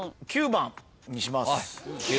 ９番にします。